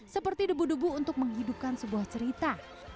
seperti debu debu untuk menghidupkan sebuah cerita